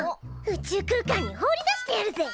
宇宙空間に放り出してやるぜ！